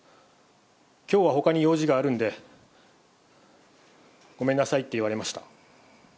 きょうはほかに用事があるんで、ごめんなさいって言われました。